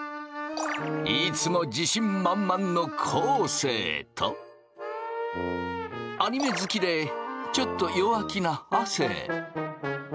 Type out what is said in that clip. いつも自信満々の昴生とアニメ好きでちょっと弱気な亜生。